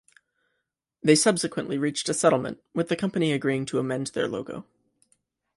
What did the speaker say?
They subsequently reached a settlement, with the company agreeing to amend their logo.